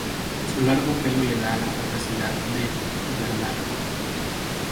Su largo pelo le da la capacidad de hibernar.